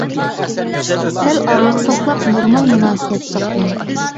سەل ئارىلىق ساقلاپ، نورمال مۇناسىۋەت ساقلاڭ.